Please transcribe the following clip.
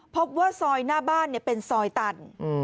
พบว่าซอยหน้าบ้านเป็นซอยตัน